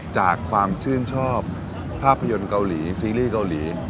จากความชื่นชอบภาพยนตร์เกาหลีซีรีส์เกาหลี